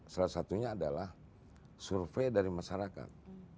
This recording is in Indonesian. salah satunya adalah survei dari masyarakat